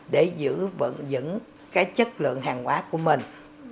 để giữ vận dẫn cái chất lượng hàng hóa của mình